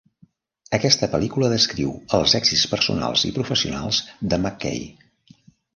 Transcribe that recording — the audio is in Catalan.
Aquesta pel·lícula descriu els èxits personals i professionals de McKay.